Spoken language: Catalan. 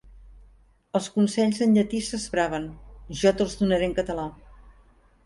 Els consells en llatí s'esbraven. Jo te'ls donaré en català